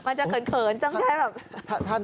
มันจะเขินต้องใช้แบบ